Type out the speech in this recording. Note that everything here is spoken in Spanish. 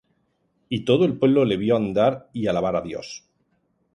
Y todo el pueblo le vió andar y alabar á Dios.